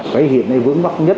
cái hiện nay vướng mắt nhất